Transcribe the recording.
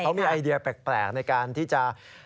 เขามีไอเดียแปลกในการที่จะ